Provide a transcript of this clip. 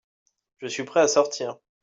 Je suis prêt à sortir.